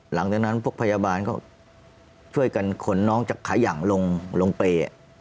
หลังจากนั้นพวกพยาบาลก็ช่วยกันขนน้องจากขายังลงเปรย์